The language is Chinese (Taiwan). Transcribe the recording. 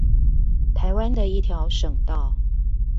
台灣的一條省道